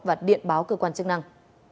và điện báo cơ quan chức năng